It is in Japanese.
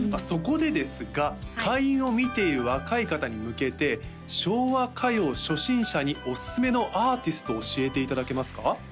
そこでですが開運を見ている若い方に向けて昭和歌謡初心者におすすめのアーティストを教えていただけますか？